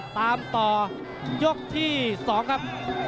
ตามต่อยกที่๒ครับ